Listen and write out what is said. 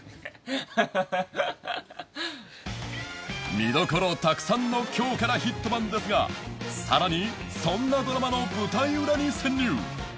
見どころたくさんの『今日からヒットマン』ですがさらにそんなドラマの舞台裏に潜入！